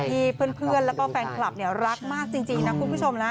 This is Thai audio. ที่เพื่อนแล้วก็แฟนคลับเนี่ยรักมากจริงนะคุณผู้ชมนะ